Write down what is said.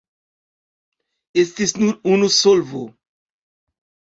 Estis nur unu solvo.